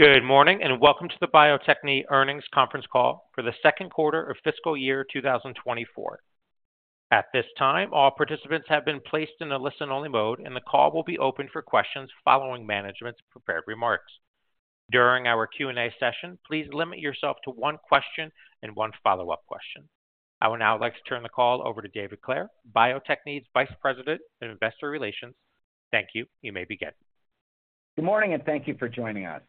Good morning, and welcome to the Bio-Techne earnings conference call for the second quarter of fiscal year 2024. At this time, all participants have been placed in a listen-only mode, and the call will be open for questions following management's prepared remarks. During our Q&A session, please limit yourself to one question and one follow-up question. I would now like to turn the call over to David Clair, Bio-Techne's Vice President of Investor Relations. Thank you. You may begin. Good morning, and thank you for joining us.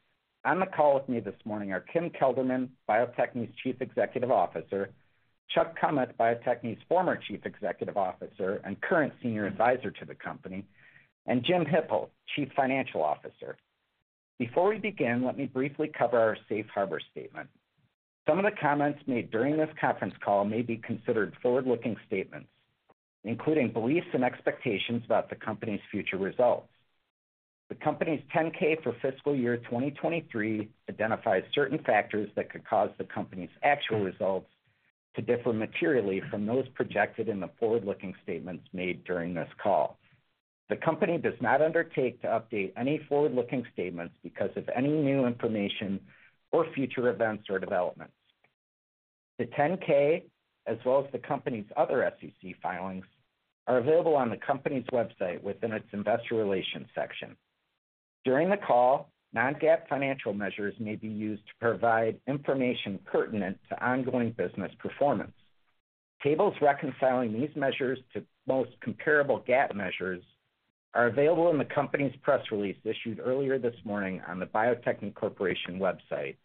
On the call with me this morning are Kim Kelderman, Bio-Techne's Chief Executive Officer, Chuck Kummeth, Bio-Techne's former Chief Executive Officer and current Senior Advisor to the company, and Jim Hippel, Chief Financial Officer. Before we begin, let me briefly cover our safe harbor statement. Some of the comments made during this conference call may be considered forward-looking statements, including beliefs and expectations about the company's future results. The company's 10-K for fiscal year 2023 identifies certain factors that could cause the company's actual results to differ materially from those projected in the forward-looking statements made during this call. The company does not undertake to update any forward-looking statements because of any new information or future events or developments. The 10-K, as well as the company's other SEC filings, are available on the company's website within its investor relations section. During the call, non-GAAP financial measures may be used to provide information pertinent to ongoing business performance. Tables reconciling these measures to most comparable GAAP measures are available in the company's press release, issued earlier this morning on the Bio-Techne Corporation website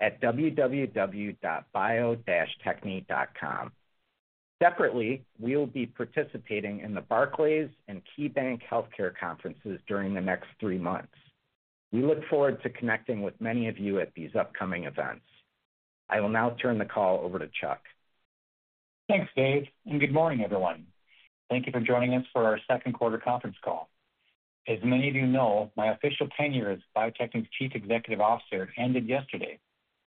at www.bio-techne.com. Separately, we will be participating in the Barclays and KeyBanc Healthcare conferences during the next three months. We look forward to connecting with many of you at these upcoming events. I will now turn the call over to Chuck. Thanks, Dave, and good morning, everyone. Thank you for joining us for our second quarter conference call. As many of you know, my official tenure as Bio-Techne's Chief Executive Officer ended yesterday,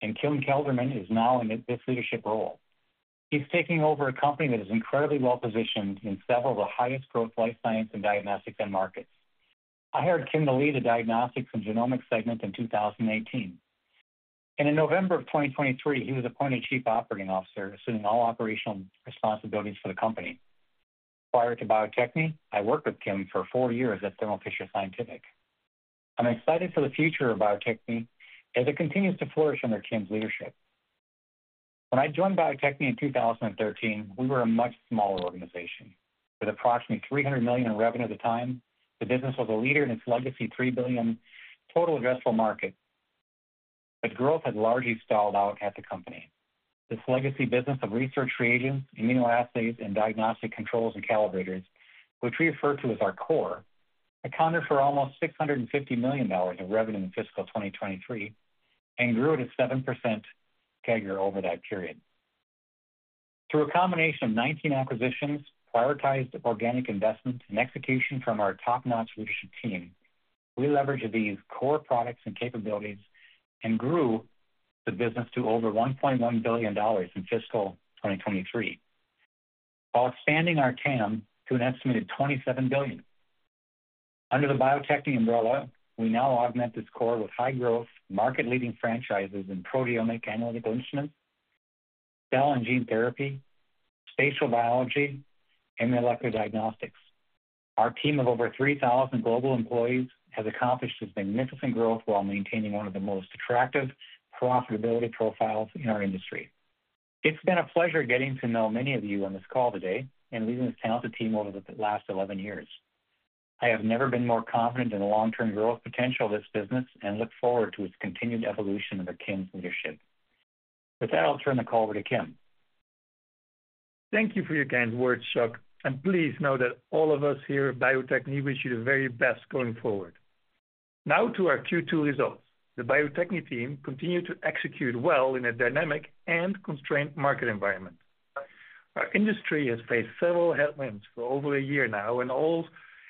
and Kim Kelderman is now in this leadership role. He's taking over a company that is incredibly well-positioned in several of the highest growth life science and diagnostics end markets. I hired Kim to lead the diagnostics and genomics segment in 2018, and in November of 2023, he was appointed Chief Operating Officer, assuming all operational responsibilities for the company. Prior to Bio-Techne, I worked with Kim for four years at Thermo Fisher Scientific. I'm excited for the future of Bio-Techne as it continues to flourish under Kim's leadership. When I joined Bio-Techne in 2013, we were a much smaller organization. With approximately $300 million in revenue at the time, the business was a leader in its legacy $3 billion total addressable market, but growth had largely stalled out at the company. This legacy business of research reagents, immunoassays, and diagnostic controls and calibrators, which we refer to as our core, accounted for almost $650 million in revenue in fiscal 2023 and grew at a 7% CAGR over that period. Through a combination of 19 acquisitions, prioritized organic investment, and execution from our top-notch leadership team, we leveraged these core products and capabilities and grew the business to over $1.1 billion in fiscal 2023, while expanding our TAM to an estimated $27 billion. Under the Bio-Techne umbrella, we now augment this core with high-growth, market-leading franchises in proteomic analytical instruments, cell and gene therapy, spatial biology, and molecular diagnostics. Our team of over 3,000 global employees has accomplished this magnificent growth while maintaining one of the most attractive profitability profiles in our industry. It's been a pleasure getting to know many of you on this call today and leading this talented team over the last 11 years. I have never been more confident in the long-term growth potential of this business and look forward to its continued evolution under Kim's leadership. With that, I'll turn the call over to Kim. Thank you for your kind words, Chuck, and please know that all of us here at Bio-Techne wish you the very best going forward. Now to our Q2 results. The Bio-Techne team continued to execute well in a dynamic and constrained market environment. Our industry has faced several headwinds for over a year now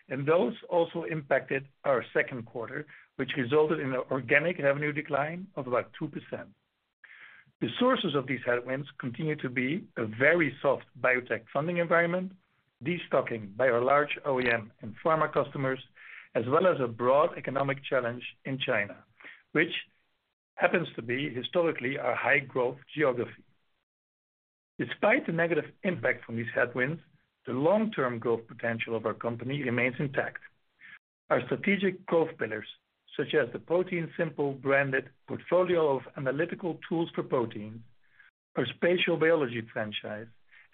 and those also impacted our second quarter, which resulted in an organic revenue decline of about 2%. The sources of these headwinds continue to be a very soft biotech funding environment, destocking by our large OEM and pharma customers, as well as a broad economic challenge in China, which happens to be historically our high-growth geography. Despite the negative impact from these headwinds, the long-term growth potential of our company remains intact. Our strategic growth pillars, such as the ProteinSimple branded portfolio of analytical tools for protein, our spatial biology franchise,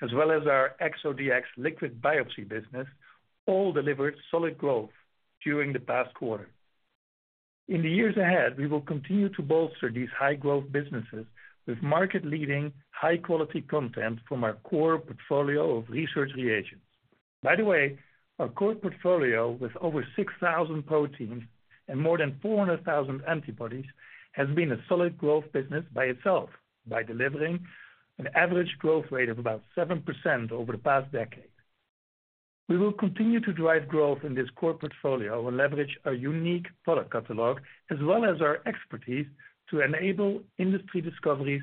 as well as our ExoDx liquid biopsy business, all delivered solid growth during the past quarter. In the years ahead, we will continue to bolster these high-growth businesses with market-leading, high-quality content from our core portfolio of research reagents. By the way, our core portfolio, with over 6,000 proteins and more than 400,000 antibodies, has been a solid growth business by itself, by delivering an average growth rate of about 7% over the past decade. We will continue to drive growth in this core portfolio and leverage our unique product catalog, as well as our expertise, to enable industry discoveries,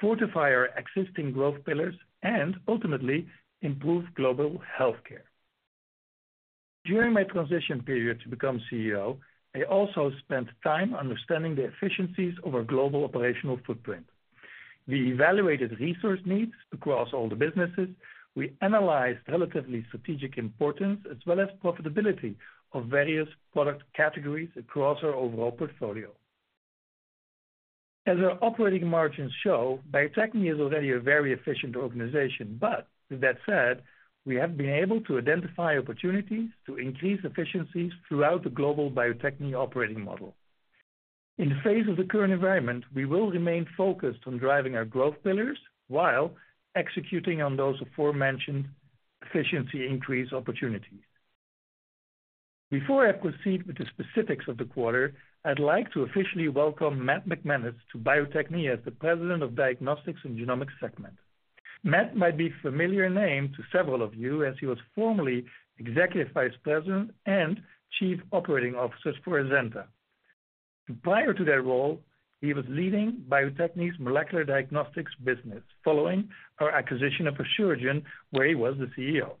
fortify our existing growth pillars, and ultimately, improve global healthcare.... During my transition period to become CEO, I also spent time understanding the efficiencies of our global operational footprint. We evaluated resource needs across all the businesses. We analyzed relatively strategic importance, as well as profitability of various product categories across our overall portfolio. As our operating margins show, Bio-Techne is already a very efficient organization, but with that said, we have been able to identify opportunities to increase efficiencies throughout the global Bio-Techne operating model. In the face of the current environment, we will remain focused on driving our growth pillars while executing on those aforementioned efficiency increase opportunities. Before I proceed with the specifics of the quarter, I'd like to officially welcome Matt McManus to Bio-Techne as the President of Diagnostics and Genomics Segment. Matt might be a familiar name to several of you, as he was formerly Executive Vice President and Chief Operating Officer for Azenta. Prior to that role, he was leading Bio-Techne's molecular diagnostics business, following our acquisition of Asuragen, where he was the CEO.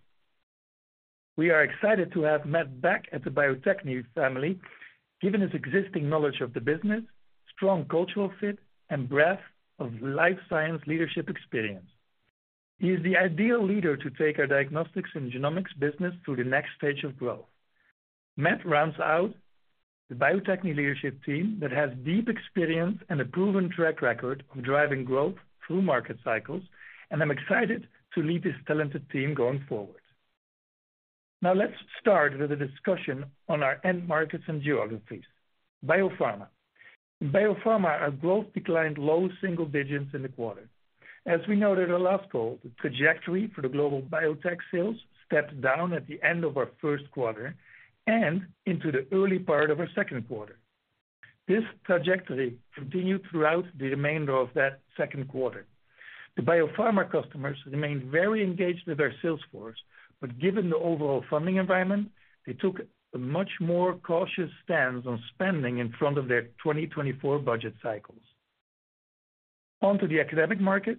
We are excited to have Matt back at the Bio-Techne family, given his existing knowledge of the business, strong cultural fit, and breadth of life science leadership experience. He is the ideal leader to take our diagnostics and genomics business to the next stage of growth. Matt rounds out the Bio-Techne leadership team that has deep experience and a proven track record of driving growth through market cycles, and I'm excited to lead this talented team going forward. Now, let's start with a discussion on our end markets and geographies. BioPharma. In BioPharma, our growth declined low single digits in the quarter. As we noted in our last call, the trajectory for the global biotech sales stepped down at the end of our first quarter and into the early part of our second quarter. This trajectory continued throughout the remainder of that second quarter. The BioPharma customers remained very engaged with our sales force, but given the overall funding environment, they took a much more cautious stance on spending in front of their 2024 budget cycles. Onto the academic market.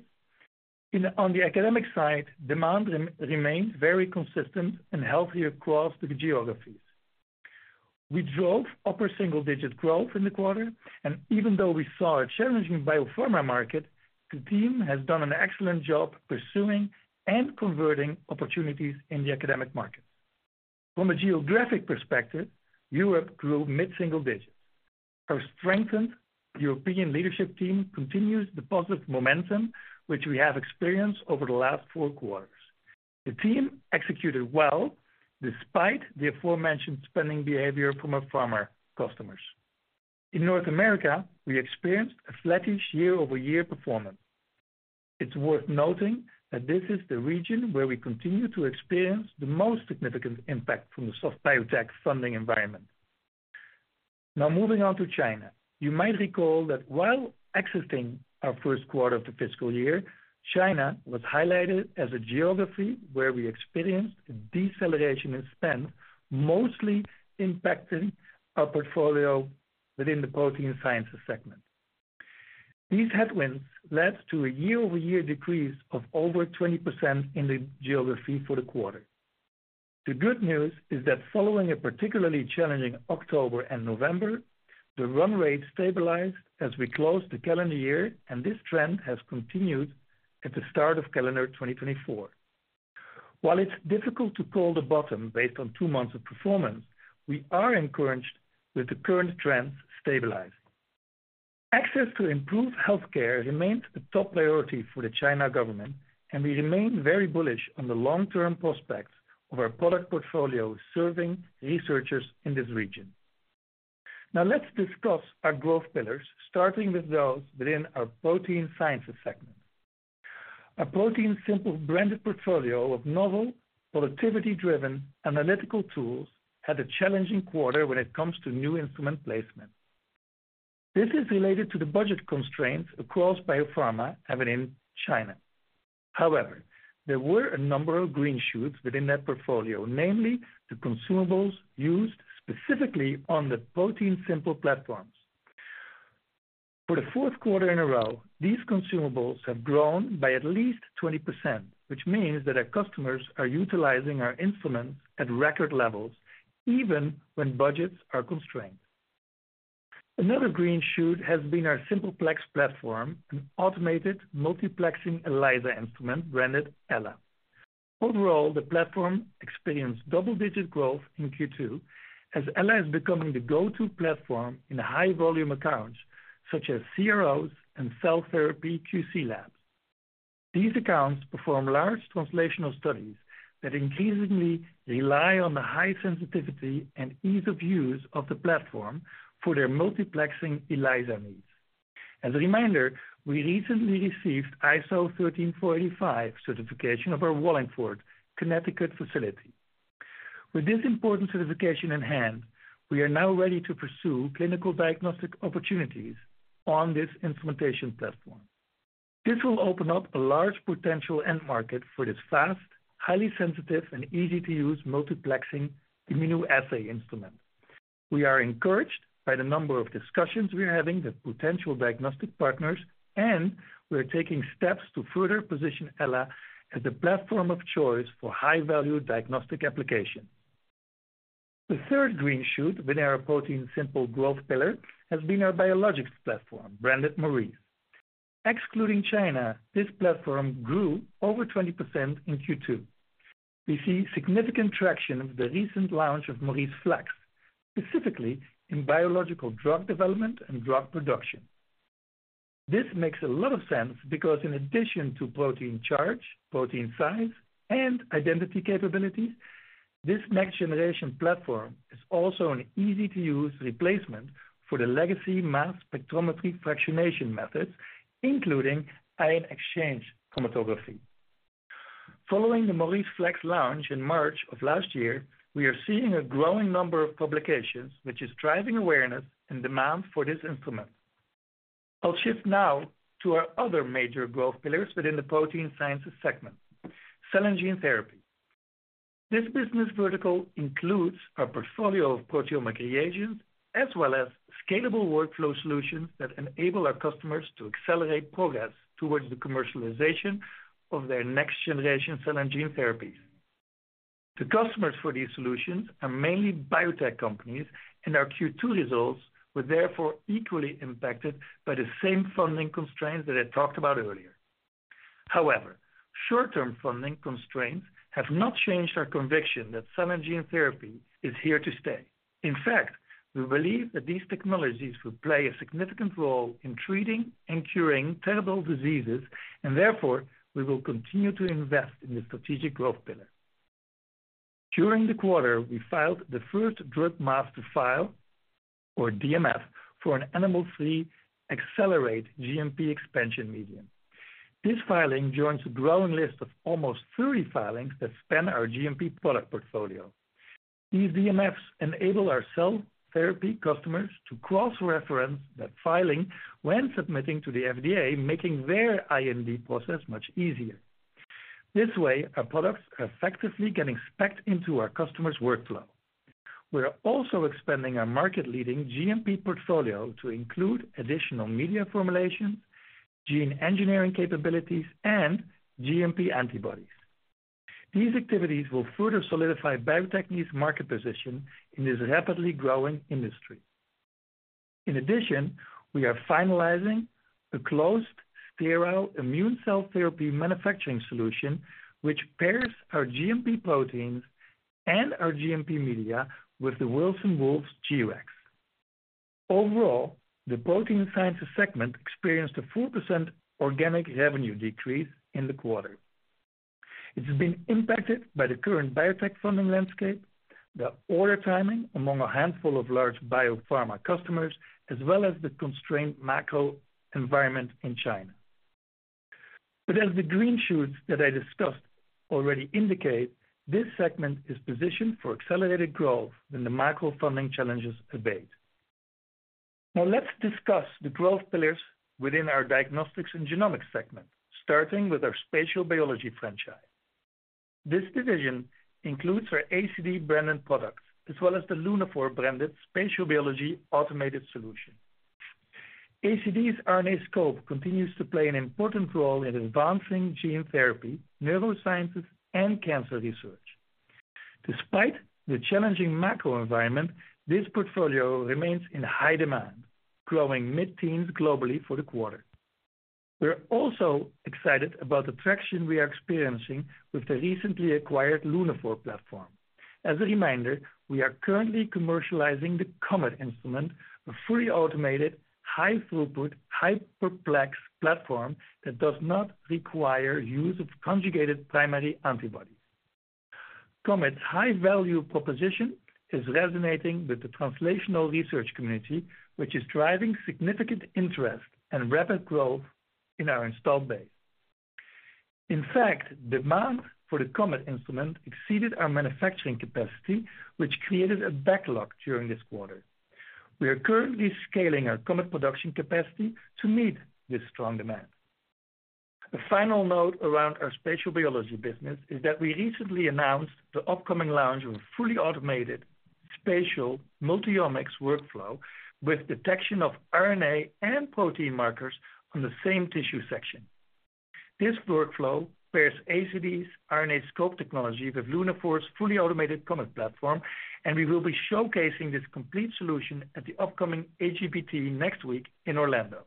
On the academic side, demand remains very consistent and healthy across the geographies. We drove upper single-digit growth in the quarter, and even though we saw a challenging BioPharma market, the team has done an excellent job pursuing and converting opportunities in the academic market. From a geographic perspective, Europe grew mid-single digits. Our strengthened European leadership team continues the positive momentum, which we have experienced over the last four quarters. The team executed well, despite the aforementioned spending behavior from our pharma customers. In North America, we experienced a flattish year-over-year performance. It's worth noting that this is the region where we continue to experience the most significant impact from the soft biotech funding environment. Now, moving on to China. You might recall that while exiting our first quarter of the fiscal year, China was highlighted as a geography where we experienced a deceleration in spend, mostly impacting our portfolio within the Protein Sciences segment. These headwinds led to a year-over-year decrease of over 20% in the geography for the quarter. The good news is that following a particularly challenging October and November, the run rate stabilized as we closed the calendar year, and this trend has continued at the start of calendar 2024. While it's difficult to call the bottom based on two months of performance, we are encouraged that the current trends stabilize. Access to improved healthcare remains a top priority for the China government, and we remain very bullish on the long-term prospects of our product portfolio serving researchers in this region. Now, let's discuss our growth pillars, starting with those within our Protein Sciences segment. Our ProteinSimple branded portfolio of novel, productivity-driven, analytical tools, had a challenging quarter when it comes to new instrument placement. This is related to the budget constraints across BioPharma and in China. However, there were a number of green shoots within that portfolio, namely the consumables used specifically on the ProteinSimple platforms. For the fourth quarter in a row, these consumables have grown by at least 20%, which means that our customers are utilizing our instruments at record levels, even when budgets are constrained. Another green shoot has been our Simple Plex platform, an automated multiplexing ELISA instrument, branded Ella. Overall, the platform experienced double-digit growth in Q2, as Ella is becoming the go-to platform in high-volume accounts such as CROs and cell therapy QC labs. These accounts perform large translational studies that increasingly rely on the high sensitivity and ease of use of the platform for their multiplexing ELISA needs. As a reminder, we recently received ISO 13485 certification of our Wallingford, Connecticut facility. With this important certification in hand, we are now ready to pursue clinical diagnostic opportunities on this implementation platform. This will open up a large potential end market for this fast, highly sensitive, and easy-to-use multiplexing immunoassay instrument. We are encouraged by the number of discussions we are having with potential diagnostic partners, and we are taking steps to further position Ella as the platform of choice for high-value diagnostic application. The third green shoot within our ProteinSimple growth pillar has been our biologics platform, branded Maurice. Excluding China, this platform grew over 20% in Q2. We see significant traction of the recent launch of MauriceFlex, specifically in biological drug development and drug production. This makes a lot of sense because in addition to protein charge, protein size, and identity capabilities, this next-generation platform is also an easy-to-use replacement for the legacy mass spectrometry fractionation methods, including ion exchange chromatography. Following the MauriceFlex launch in March of last year, we are seeing a growing number of publications, which is driving awareness and demand for this instrument. I'll shift now to our other major growth pillars within the Protein Sciences segment, cell and gene therapy. This business vertical includes our portfolio of proteomic reagents, as well as scalable workflow solutions that enable our customers to accelerate progress towards the commercialization of their next-generation cell and gene therapies. The customers for these solutions are mainly biotech companies, and our Q2 results were therefore equally impacted by the same funding constraints that I talked about earlier. However, short-term funding constraints have not changed our conviction that cell and gene therapy is here to stay. In fact, we believe that these technologies will play a significant role in treating and curing terrible diseases, and therefore we will continue to invest in this strategic growth pillar. During the quarter, we filed the first Drug Master File, or DMF, for an animal-free accelerated GMP expansion medium. This filing joins a growing list of almost 30 filings that span our GMP product portfolio. These DMFs enable our cell therapy customers to cross-reference that filing when submitting to the FDA, making their IND process much easier. This way, our products are effectively getting specced into our customers' workflow. We are also expanding our market-leading GMP portfolio to include additional media formulations, gene engineering capabilities, and GMP antibodies. These activities will further solidify Bio-Techne's market position in this rapidly growing industry. In addition, we are finalizing a closed sterile immune cell therapy manufacturing solution, which pairs our GMP proteins and our GMP media with the Wilson Wolf's G-Rex. Overall, the Protein Sciences segment experienced a 4% organic revenue decrease in the quarter. It has been impacted by the current biotech funding landscape, the order timing among a handful of large BioPharma customers, as well as the constrained macro environment in China. But as the green shoots that I discussed already indicate, this segment is positioned for accelerated growth when the macro funding challenges abate. Now, let's discuss the growth pillars within our diagnostics and genomics segment, starting with our spatial biology franchise. This division includes our ACD-branded products, as well as the Lunaphore-branded spatial biology automated solution. ACD's RNAscope continues to play an important role in advancing gene therapy, neurosciences, and cancer research. Despite the challenging macro environment, this portfolio remains in high demand, growing mid-teens globally for the quarter. We're also excited about the traction we are experiencing with the recently acquired Lunaphore platform. As a reminder, we are currently commercializing the COMET instrument, a fully automated, high-throughput, high-plex platform that does not require use of conjugated primary antibodies. COMET's high-value proposition is resonating with the translational research community, which is driving significant interest and rapid growth in our installed base. In fact, demand for the COMET instrument exceeded our manufacturing capacity, which created a backlog during this quarter. We are currently scaling our COMET production capacity to meet this strong demand. A final note around our spatial biology business is that we recently announced the upcoming launch of a fully automated spatial multiomics workflow with detection of RNA and protein markers on the same tissue section. This workflow pairs ACD's RNAscope technology with Lunaphore's fully automated COMET platform, and we will be showcasing this complete solution at the upcoming AGBT next week in Orlando.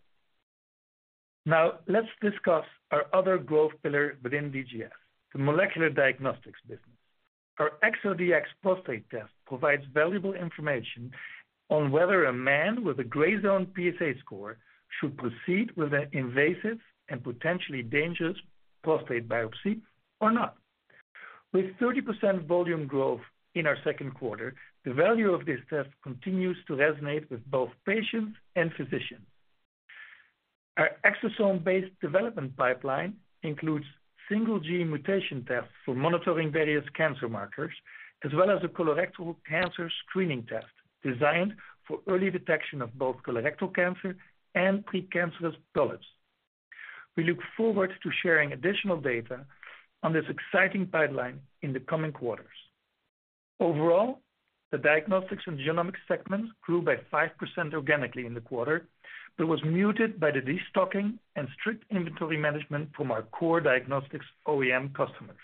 Now, let's discuss our other growth pillar within DGF, the molecular diagnostics business. Our ExoDx Prostate Test provides valuable information on whether a man with a gray zone PSA score should proceed with an invasive and potentially dangerous prostate biopsy or not. With 30% volume growth in our second quarter, the value of this test continues to resonate with both patients and physicians. Our exosome-based development pipeline includes single gene mutation tests for monitoring various cancer markers, as well as a colorectal cancer screening test designed for early detection of both colorectal cancer and precancerous polyps. We look forward to sharing additional data on this exciting pipeline in the coming quarters. Overall, the diagnostics and genomics segment grew by 5% organically in the quarter, but was muted by the destocking and strict inventory management from our core diagnostics OEM customers.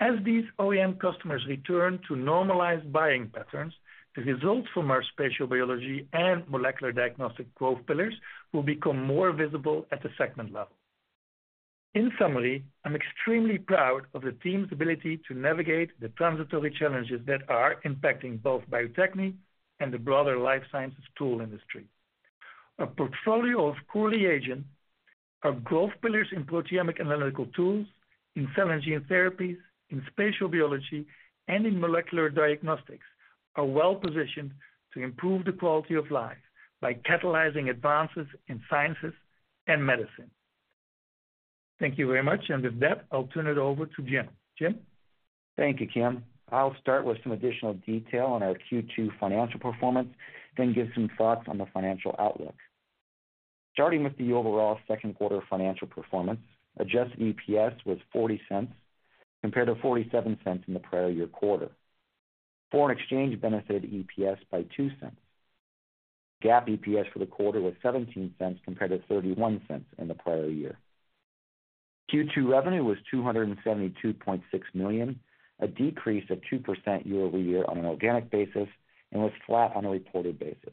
As these OEM customers return to normalized buying patterns, the results from our spatial biology and molecular diagnostic growth pillars will become more visible at the segment level. In summary, I'm extremely proud of the team's ability to navigate the transitory challenges that are impacting both Bio-Techne and the broader life sciences tool industry. A portfolio of core reagents, our growth pillars in proteomic analytical tools, in cell and gene therapies, in spatial biology, and in molecular diagnostics, are well positioned to improve the quality of life by catalyzing advances in sciences and medicine. Thank you very much, and with that, I'll turn it over to Jim. Jim? Thank you, Kim. I'll start with some additional detail on our Q2 financial performance, then give some thoughts on the financial outlook. Starting with the overall second quarter financial performance, Adjusted EPS was $0.40, compared to $0.47 in the prior year quarter. Foreign exchange benefited EPS by $0.02. GAAP EPS for the quarter was $0.17, compared to $0.31 in the prior year. Q2 revenue was $272.6 million, a decrease of 2% year-over-year on an organic basis, and was flat on a reported basis.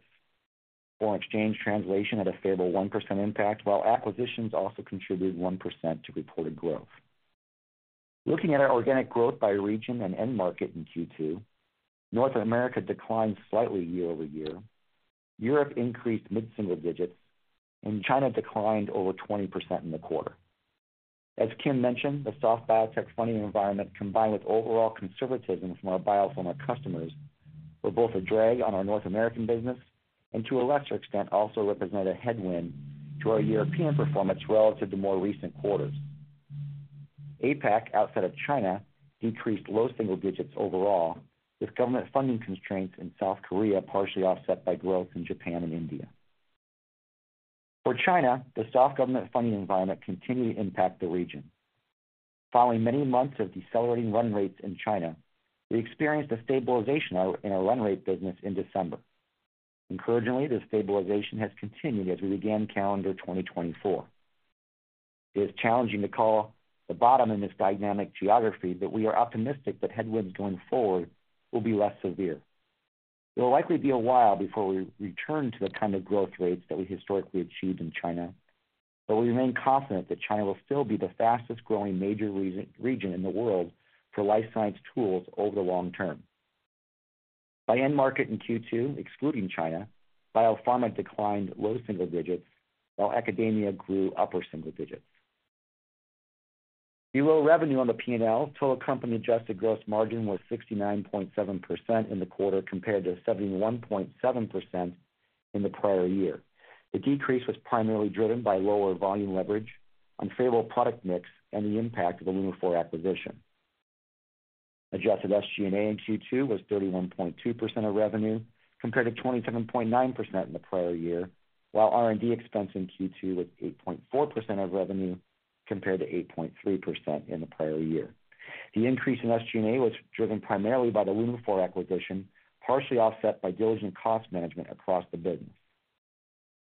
Foreign exchange translation had a favorable 1% impact, while acquisitions also contributed 1% to reported growth. Looking at our organic growth by region and end market in Q2, North America declined slightly year-over-year, Europe increased mid-single digits, and China declined over 20% in the quarter. As Kim mentioned, the soft biotech funding environment, combined with overall conservatism from our BioPharma customers, were both a drag on our North American business and, to a lesser extent, also represented a headwind to our European performance relative to more recent quarters. APAC, outside of China, decreased low single digits overall, with government funding constraints in South Korea partially offset by growth in Japan and India. For China, the soft government funding environment continued to impact the region. Following many months of decelerating run rates in China, we experienced a stabilization in our run rate business in December. Encouragingly, this stabilization has continued as we began calendar 2024. It is challenging to call the bottom in this dynamic geography, but we are optimistic that headwinds going forward will be less severe. It will likely be a while before we return to the kind of growth rates that we historically achieved in China, but we remain confident that China will still be the fastest-growing major region in the world for life science tools over the long term. By end market in Q2, excluding China, BioPharma declined low single digits, while academia grew upper single digits. Below revenue on the P&L, total company adjusted gross margin was 69.7% in the quarter, compared to 71.7% in the prior year. The decrease was primarily driven by lower volume leverage, unfavorable product mix, and the impact of the Lunaphore acquisition. Adjusted SG&A in Q2 was 31.2% of revenue, compared to 27.9% in the prior year, while R&D expense in Q2 was 8.4% of revenue, compared to 8.3% in the prior year. The increase in SG&A was driven primarily by the Lunaphore acquisition, partially offset by diligent cost management across the business.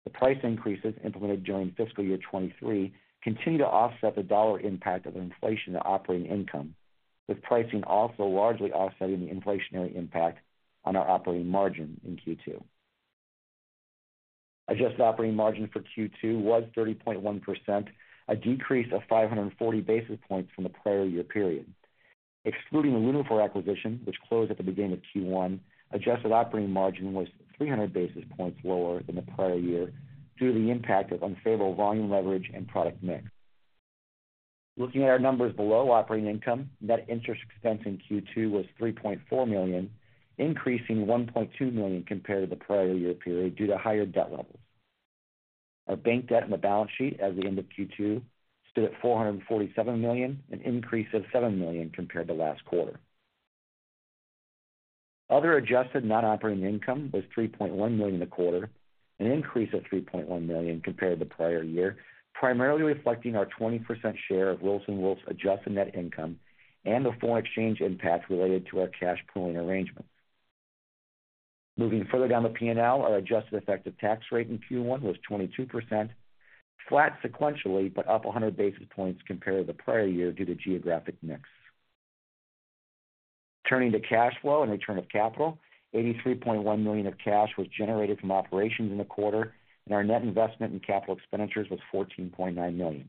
The price increases implemented during fiscal year 2023 continue to offset the dollar impact of inflation to operating income, with pricing also largely offsetting the inflationary impact on our operating margin in Q2. Adjusted operating margin for Q2 was 30.1%, a decrease of 540 basis points from the prior year period. Excluding the Lunaphore acquisition, which closed at the beginning of Q1, adjusted operating margin was 300 basis points lower than the prior year due to the impact of unfavorable volume leverage and product mix. Looking at our numbers below operating income, net interest expense in Q2 was $3.4 million, increasing $1.2 million compared to the prior year period due to higher debt levels. Our bank debt on the balance sheet at the end of Q2 stood at $447 million, an increase of $7 million compared to last quarter. Other adjusted non-operating income was $3.1 million a quarter, an increase of $3.1 million compared to the prior year, primarily reflecting our 20% share of Wilson Wolf's adjusted net income and the foreign exchange impact related to our cash pooling arrangement. Moving further down the P&L, our adjusted effective tax rate in Q1 was 22%, flat sequentially, but up 100 basis points compared to the prior year due to geographic mix. Turning to cash flow and return of capital, $83.1 million of cash was generated from operations in the quarter, and our net investment in capital expenditures was $14.9 million.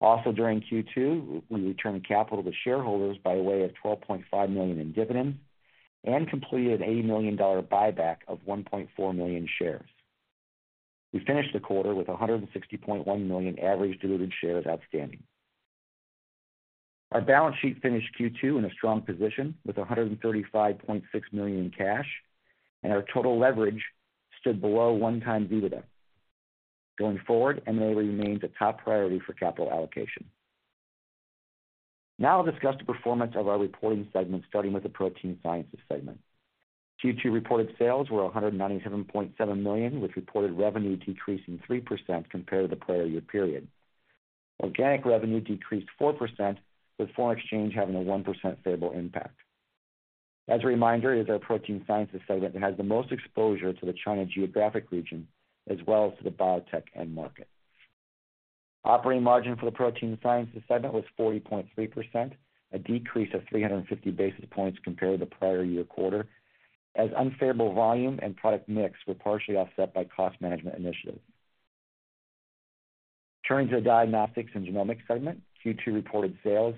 Also, during Q2, we returned capital to shareholders by way of $12.5 million in dividend and completed an $80 million buyback of 1.4 million shares. We finished the quarter with 160.1 million average diluted shares outstanding. Our balance sheet finished Q2 in a strong position with $135.6 million in cash, and our total leverage stood below 1x EBITDA. Going forward, M&A remains a top priority for capital allocation.... Now I'll discuss the performance of our reporting segment, starting with the Protein Sciences segment. Q2 reported sales were $197.7 million, with reported revenue decreasing 3% compared to the prior year period. Organic revenue decreased 4%, with foreign exchange having a 1% favorable impact. As a reminder, it is our Protein Sciences segment that has the most exposure to the China geographic region, as well as to the biotech end market. Operating margin for the Protein Sciences segment was 40.3%, a decrease of 350 basis points compared to the prior year quarter, as unfavorable volume and product mix were partially offset by cost management initiatives. Turning to the diagnostics and genomics segment, Q2 reported sales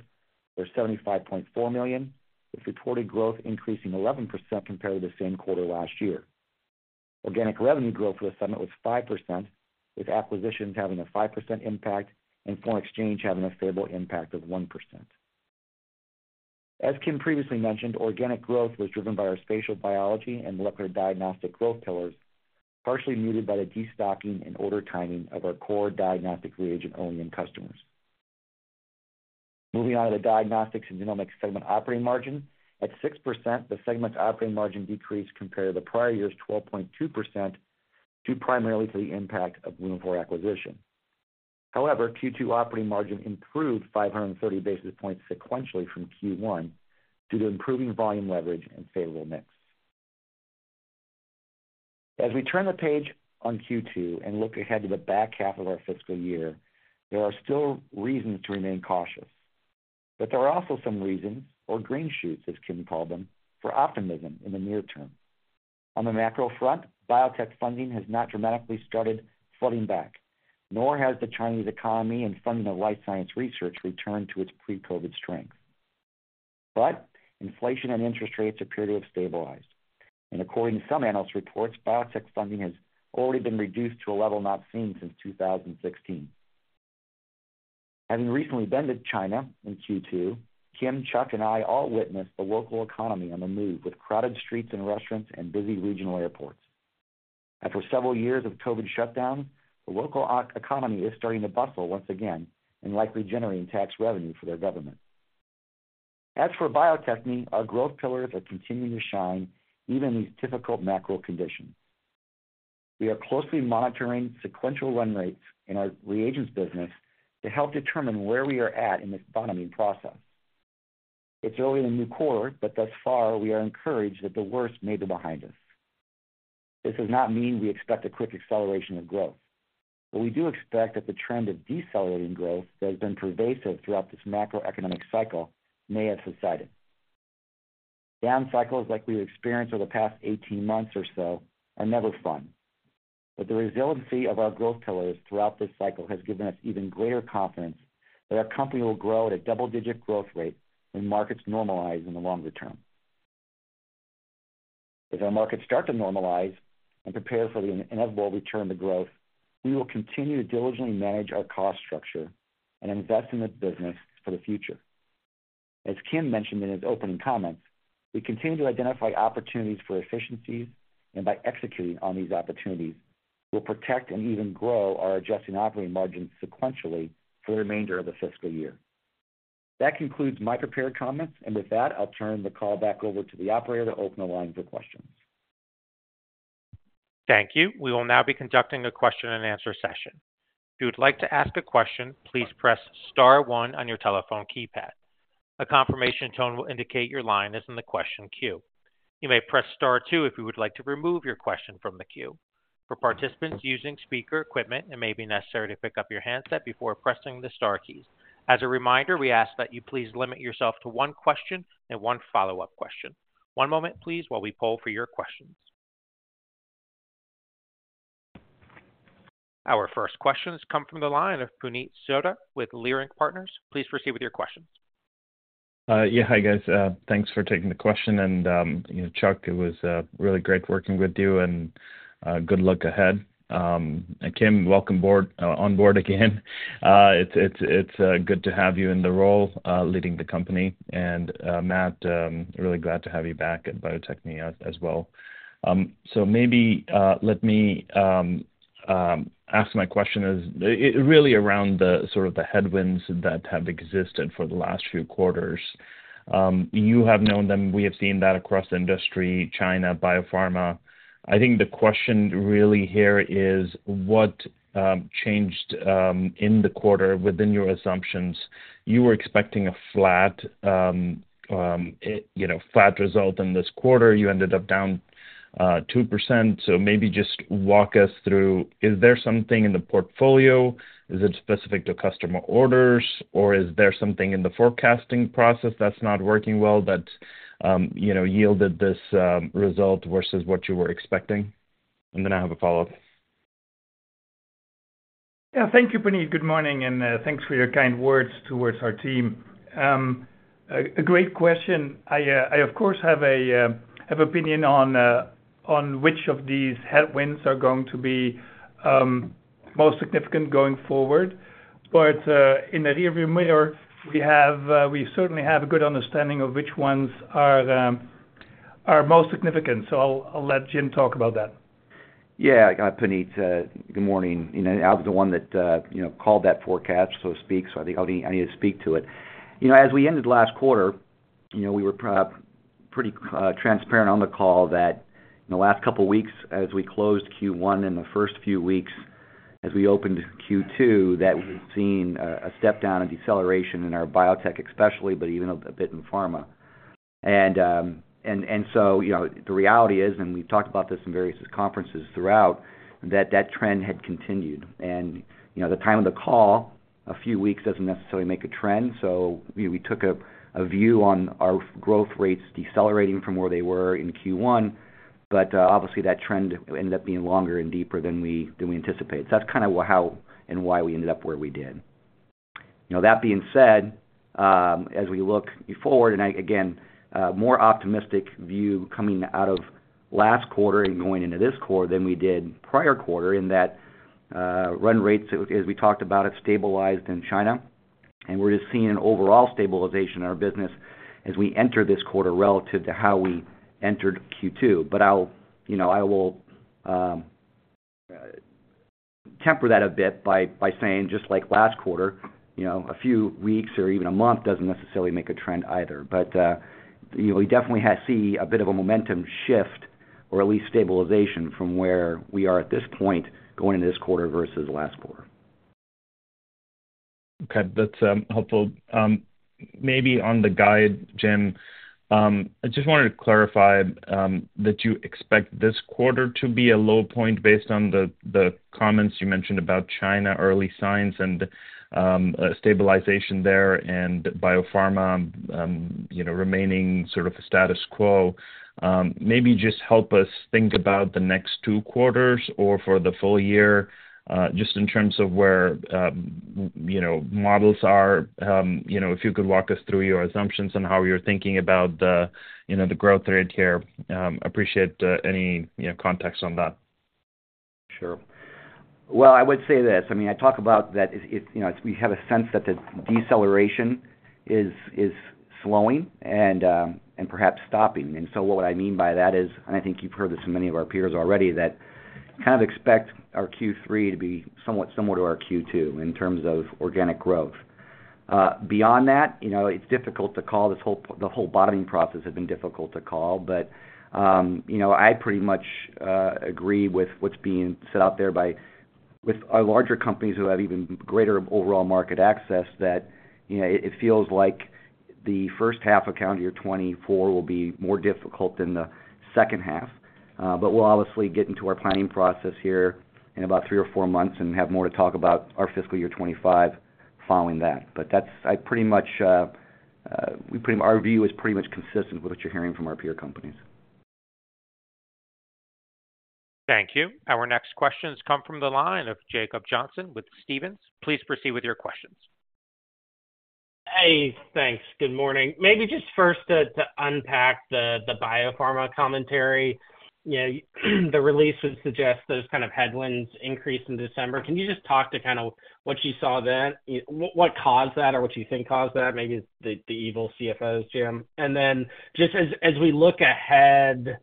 were $75.4 million, with reported growth increasing 11% compared to the same quarter last year. Organic revenue growth for the segment was 5%, with acquisitions having a 5% impact and foreign exchange having a favorable impact of 1%. As Kim previously mentioned, organic growth was driven by our spatial biology and molecular diagnostic growth pillars, partially muted by the destocking and order timing of our core diagnostic reagent-only end customers. Moving on to the diagnostics and genomics segment operating margin. At 6%, the segment's operating margin decreased compared to the prior year's 12.2%, due primarily to the impact of Lunaphore. However, Q2 operating margin improved 530 basis points sequentially from Q1, due to improving volume leverage and favorable mix. As we turn the page on Q2 and look ahead to the back half of our fiscal year, there are still reasons to remain cautious, but there are also some reasons, or green shoots, as Kim called them, for optimism in the near term. On the macro front, biotech funding has not dramatically started flooding back, nor has the Chinese economy and funding of life science research returned to its pre-COVID strength. But inflation and interest rates appear to have stabilized, and according to some analyst reports, biotech funding has already been reduced to a level not seen since 2016. Having recently been to China in Q2, Kim, Chuck, and I all witnessed the local economy on the move, with crowded streets and restaurants and busy regional airports. After several years of COVID shutdown, the local economy is starting to bustle once again and likely generating tax revenue for their government. As for Bio-Techne, our growth pillars are continuing to shine, even in these difficult macro conditions. We are closely monitoring sequential run rates in our reagents business to help determine where we are at in this bottoming process. It's early in the new quarter, but thus far, we are encouraged that the worst may be behind us. This does not mean we expect a quick acceleration of growth, but we do expect that the trend of decelerating growth that has been pervasive throughout this macroeconomic cycle may have subsided. Down cycles like we've experienced over the past 18 months or so are never fun, but the resiliency of our growth pillars throughout this cycle has given us even greater confidence that our company will grow at a double-digit growth rate when markets normalize in the longer term. As our markets start to normalize and prepare for the inevitable return to growth, we will continue to diligently manage our cost structure and invest in the business for the future. As Kim mentioned in his opening comments, we continue to identify opportunities for efficiencies, and by executing on these opportunities, we'll protect and even grow our adjusting operating margins sequentially for the remainder of the fiscal year. That concludes my prepared comments, and with that, I'll turn the call back over to the operator to open the line for questions. Thank you. We will now be conducting a question-and-answer session. If you would like to ask a question, please press star one on your telephone keypad. A confirmation tone will indicate your line is in the question queue. You may press star two if you would like to remove your question from the queue. For participants using speaker equipment, it may be necessary to pick up your handset before pressing the star keys. As a reminder, we ask that you please limit yourself to one question and one follow-up question. One moment, please, while we poll for your questions. Our first questions come from the line of Puneet Souda with Leerink Partners. Please proceed with your questions. Yeah, hi, guys. Thanks for taking the question, and, you know, Chuck, it was really great working with you and good luck ahead. And Kim, welcome on board again. It's good to have you in the role leading the company. And Matt, really glad to have you back at Bio-Techne as well. So maybe let me ask my question is really around the sort of the headwinds that have existed for the last few quarters. You have known them, we have seen that across the industry, China, BioPharma. I think the question really here is, what changed in the quarter within your assumptions? You were expecting a flat, you know, flat result in this quarter. You ended up down 2%. Maybe just walk us through, is there something in the portfolio? Is it specific to customer orders, or is there something in the forecasting process that's not working well that, you know, yielded this result versus what you were expecting? And then I have a follow-up. Yeah. Thank you, Puneet. Good morning, and thanks for your kind words towards our team. A great question. I, of course, have opinion on which of these headwinds are going to be most significant going forward. But in the rearview mirror, we have we certainly have a good understanding of which ones are most significant, so I'll let Jim talk about that.... Yeah, Puneet, good morning. You know, I was the one that you know called that forecast, so to speak, so I think I need to speak to it. You know, as we ended last quarter, you know, we were pretty transparent on the call that in the last couple of weeks, as we closed Q1 and the first few weeks as we opened Q2, that we've seen a step down and deceleration in our biotech, especially, but even a bit in pharma. And so, you know, the reality is, and we've talked about this in various conferences throughout, that that trend had continued. And, you know, the time of the call, a few weeks doesn't necessarily make a trend. So we took a view on our growth rates decelerating from where they were in Q1, but obviously, that trend ended up being longer and deeper than we anticipated. So that's kind of how and why we ended up where we did. Now, that being said, as we look forward, and again, a more optimistic view coming out of last quarter and going into this quarter than we did prior quarter, in that, run rates, as we talked about, have stabilized in China, and we're just seeing an overall stabilization in our business as we enter this quarter relative to how we entered Q2. But I'll... You know, I will, temper that a bit by, by saying, just like last quarter, you know, a few weeks or even a month doesn't necessarily make a trend either. But, you know, we definitely have seen a bit of a momentum shift, or at least stabilization from where we are at this point, going into this quarter versus last quarter. Okay, that's helpful. Maybe on the guide, Jim, I just wanted to clarify that you expect this quarter to be a low point based on the comments you mentioned about China, early signs and stabilization there, and BioPharma, you know, remaining sort of the status quo. Maybe just help us think about the next two quarters or for the full year, just in terms of where, you know, models are. You know, if you could walk us through your assumptions and how you're thinking about the, you know, the growth rate here. Appreciate any, you know, context on that. Sure. Well, I would say this. I mean, I talked about that it—you know, we have a sense that the deceleration is slowing and perhaps stopping. And so what I mean by that is, and I think you've heard this from many of our peers already, that kind of expect our Q3 to be somewhat similar to our Q2 in terms of organic growth. Beyond that, you know, it's difficult to call the whole bottoming process has been difficult to call, but you know, I pretty much agree with what's being said out there by our larger companies who have even greater overall market access, that you know, it feels like the first half of calendar year 2024 will be more difficult than the second half. But we'll obviously get into our planning process here in about three or four months and have more to talk about our fiscal year 2025 following that. But that's. I pretty much, our view is pretty much consistent with what you're hearing from our peer companies. Thank you. Our next question has come from the line of Jacob Johnson with Stephens. Please proceed with your questions. Hey, thanks. Good morning. Maybe just first, to unpack the BioPharma commentary. You know, the release would suggest those kind of headwinds increased in December. Can you just talk to kind of what you saw then, what caused that or what you think caused that? Maybe the evil CFOs, Jim. And then, just as we look ahead,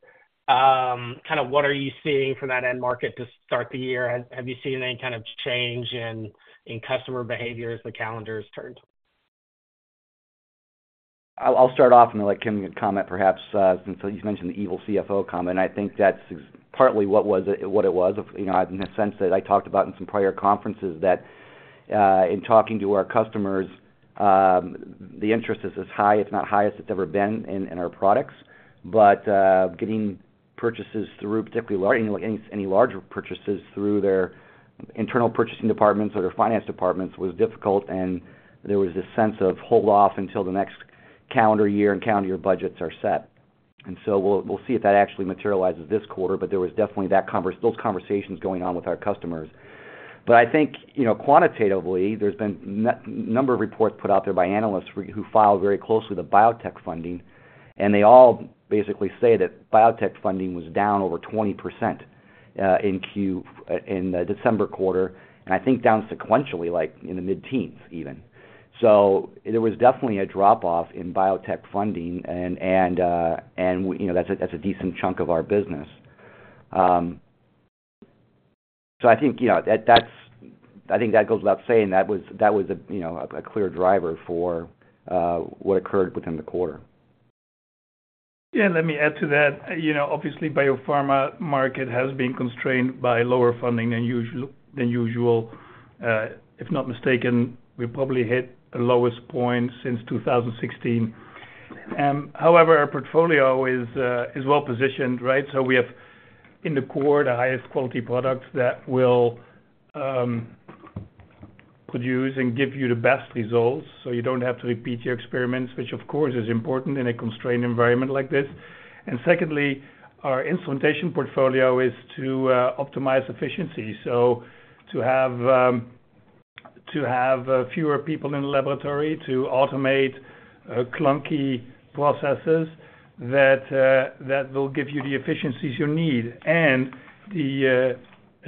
kind of what are you seeing from that end market to start the year? Have you seen any kind of change in customer behavior as the calendars turned? I'll start off and then let Kim comment, perhaps, since you mentioned the evil CFO comment. I think that's partly what it was. You know, in the sense that I talked about in some prior conferences, that in talking to our customers, the interest is as high, if not highest it's ever been in our products. But getting purchases through, particularly large, any larger purchases through their internal purchasing departments or their finance departments, was difficult, and there was this sense of hold off until the next calendar year and calendar year budgets are set. And so we'll see if that actually materializes this quarter, but there was definitely those conversations going on with our customers. But I think, you know, quantitatively, there's been number of reports put out there by analysts who, who follow very closely the biotech funding, and they all basically say that biotech funding was down over 20%, in Q, in the December quarter, and I think down sequentially, like in the mid-teens even. So there was definitely a drop-off in biotech funding and, and, and, you know, that's a, that's a decent chunk of our business. So I think, you know, that, that's—I think that goes without saying, that was, that was a, you know, a clear driver for, what occurred within the quarter. Yeah, let me add to that. You know, obviously, BioPharma market has been constrained by lower funding than usual, than usual. If not mistaken, we probably hit the lowest point since 2016. However, our portfolio is well positioned, right? So we have, in the core, the highest quality products that will produce and give you the best results, so you don't have to repeat your experiments, which of course, is important in a constrained environment like this. And secondly, our instrumentation portfolio is to optimize efficiency. So to have fewer people in the laboratory, to automate clunky processes, that will give you the efficiencies you need and the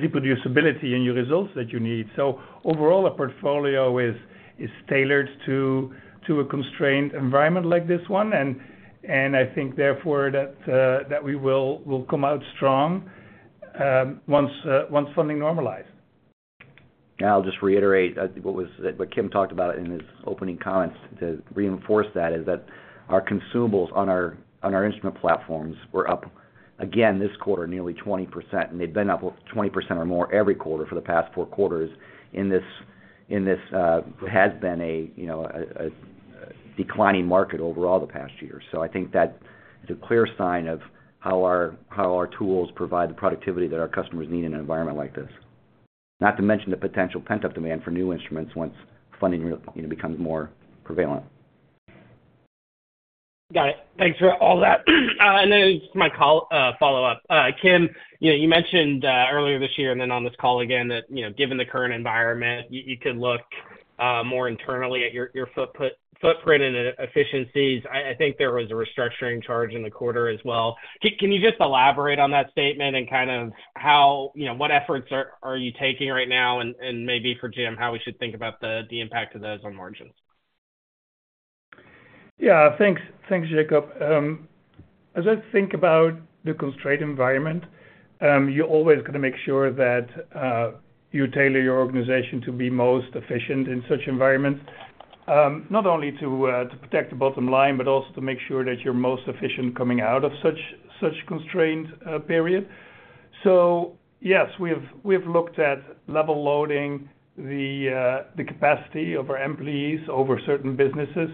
reproducibility in your results that you need. So overall, our portfolio is tailored to a constrained environment like this one. I think, therefore, that we will come out strong once funding normalizes. I'll just reiterate what Kim talked about in his opening comments, to reinforce that, is that our consumables on our, on our instrument platforms were up again this quarter, nearly 20%, and they've been up 20% or more every quarter for the past 4 quarters in this, in this, what has been a, you know, a, a, a declining market overall the past year. So I think that is a clear sign of how our, how our tools provide the productivity that our customers need in an environment like this. Not to mention the potential pent-up demand for new instruments once funding, you know, becomes more prevalent. Got it. Thanks for all that. And then just my call follow-up. Kim, you know, you mentioned earlier this year, and then on this call again, that, you know, given the current environment, you could look more internally at your footprint and efficiencies. I think there was a restructuring charge in the quarter as well. Can you just elaborate on that statement and kind of how, you know, what efforts are you taking right now? And maybe for Jim, how we should think about the impact of those on margins. Yeah, thanks. Thanks, Jacob. As I think about the constrained environment, you always got to make sure that you tailor your organization to be most efficient in such environments. Not only to protect the bottom line, but also to make sure that you're most efficient coming out of such constrained period. So yes, we have looked at level loading the capacity of our employees over certain businesses.